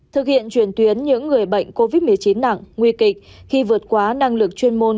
thực hiện truyền tuyến những người bệnh covid một mươi chín nặng nguy kịch khi vượt quá năng lực chuyên môn